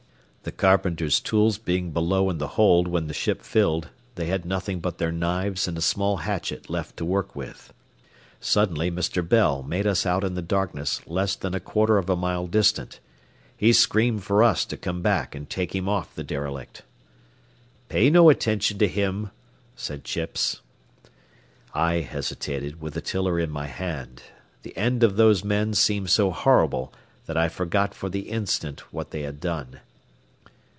The carpenter's tools being below in the hold when the ship filled, they had nothing but their knives and a small hatchet left to work with. Suddenly Mr. Bell made us out in the darkness less than a quarter of a mile distant. He screamed for us to come back and take him off the derelict. "Pay no attention to him," said Chips. I hesitated, with the tiller in my hand. The end of those men seemed so horrible that I forgot for the instant what they had done.